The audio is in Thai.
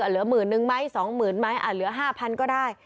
เหลือ๑๑๐๐๐ไหม๒๐๐๐๐ไหมอ่ะเหลือ๕๐๐๐ก็ได้